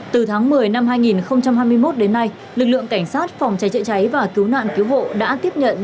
từ tháng một mươi năm hai nghìn hai mươi một đến nay lực lượng cảnh sát phòng cháy chữa cháy và cứu nạn cứu hộ đã tiếp nhận